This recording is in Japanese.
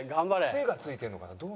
クセがついてるのかな？